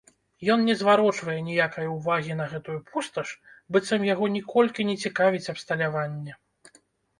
Ён не зварочвае ніякае ўвагі на гэтую пусташ, быццам яго ніколькі не цікавіць абсталяванне.